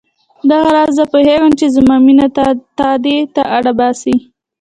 دغه راز زه پوهېږم چې زما مینه تا دې ته اړ باسي.